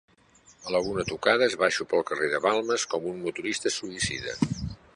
A la una tocades baixo pel carrer de Balmes com un motorista suïcida.